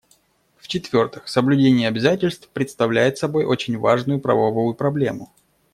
В-четвертых, соблюдение обязательств представляет собой очень важную правовую проблему.